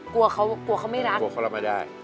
กลัวเขาไม่รักกลัวเขาเราไม่ได้